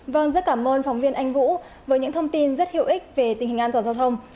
vâng rất cảm ơn phóng viên anh vũ với những thông tin rất hữu ích về tình hình an toàn giao thông